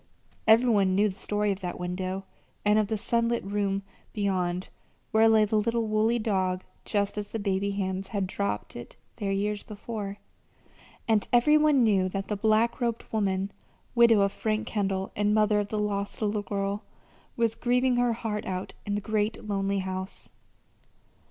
Every one knew the story of that window, and of the sunlit room beyond where lay the little woolly dog just as the baby hands had dropped it there years before; and every one knew that the black robed woman, widow of Frank Kendall and mother of the lost little girl, was grieving her heart out in the great lonely house.